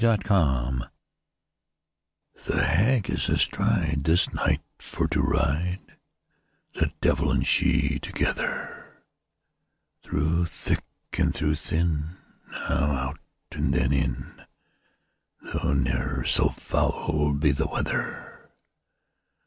THE HAG The Hag is astride, This night for to ride, The devil and she together; Through thick and through thin, Now out, and then in, Though ne'er so foul be the weather.